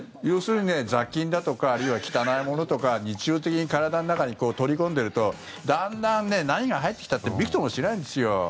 要するに雑菌だとかあるいは汚いものとか日常的に体の中に取り込んでるとだんだん何が入ってきたってびくともしないんですよ。